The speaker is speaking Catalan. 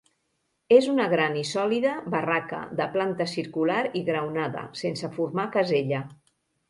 És una gran i sòlida barraca de planta circular i graonada, sense formar casella.